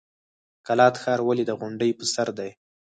قلات ښار ولې د غونډۍ په سر دی؟